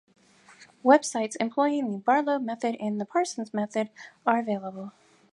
Websites employing the Barlow method and the Parsons method are available.